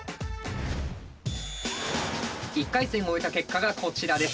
１回戦を終えた結果がこちらです。